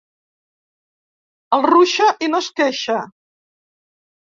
El ruixa i no es queixa.